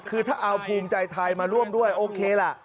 คือถ้าเอาภูมิใจไทยมาร่วมด้วยโอเคล่ะ